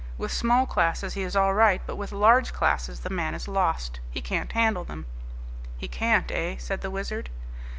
With small classes he is all right, but with large classes the man is lost. He can't handle them." "He can't, eh?" said the Wizard.